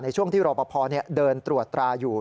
ช่วงที่รอปภเดินตรวจตราอยู่